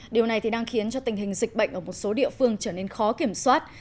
điều này thì đang khiến cho tình hình dịch bệnh ở một số địa phương trở nên khó kiểm soát